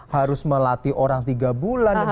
harus melatih orang tiga bulan